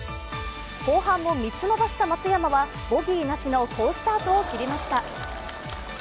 後半も３つ伸ばした松山はボギーなしの好スタートを切りました。